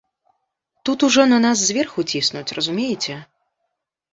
Тут ужо на нас зверху ціснуць, разумееце?